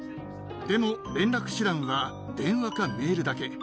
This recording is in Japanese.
でも、連絡手段は電話かメールだけ。